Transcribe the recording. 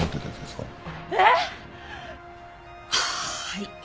はい。